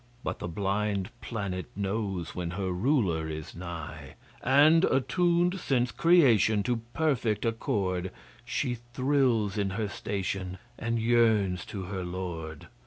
But the blind planet knows When her ruler is nigh; And, attuned since Creation, To perfect accord, She thrills in her station And yearns to her Lord.